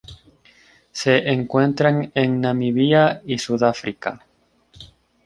Se encuentran en Namibia y Sudáfrica.